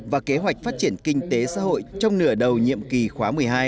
và kế hoạch phát triển kinh tế xã hội trong nửa đầu nhiệm kỳ khóa một mươi hai